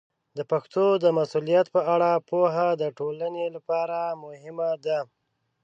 د پښتو د مسوولیت په اړه پوهه د ټولنې لپاره مهمه ده.